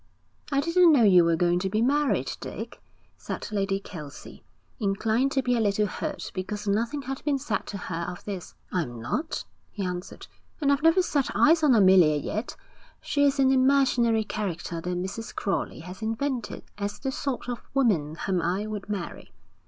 'I didn't know you were going to be married, Dick,' said Lady Kelsey, inclined to be a little hurt because nothing had been said to her of this. 'I'm not,' he answered. 'And I've never set eyes on Amelia yet. She is an imaginary character that Mrs. Crowley has invented as the sort of woman whom I would marry.'